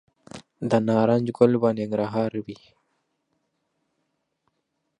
د نارنج ګل به پرننګرهار وي